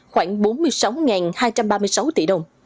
khoảng bốn mươi sáu hai trăm ba mươi sáu tỷ đồng